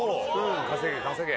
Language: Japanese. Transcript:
稼げ稼げ。